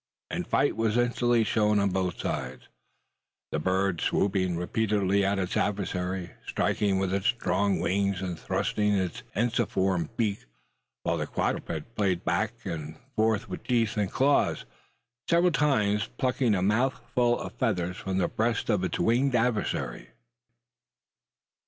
And fight was instantly shown on both sides the bird swooping repeatedly at its adversary, striking with its strong wings and thrusting with its ensiform beak; while the quadruped played back both with teeth and claws several times plucking a mouthful of feathers from the breast of its winged adversary.